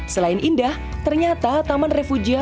selain indah ternyata taman refugia